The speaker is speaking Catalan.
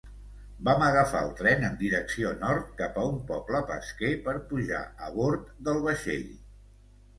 Vam agafar el tren en direcció nord cap a un poble pesquer per pujar a bord del vaixell.